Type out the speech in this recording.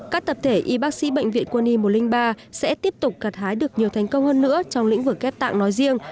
các tập thể y bác sĩ bệnh viện quân y một trăm linh ba sẽ tiếp tục gạt hái được nhiều thành công hơn nữa trong lĩnh vực ghép tạng nói riêng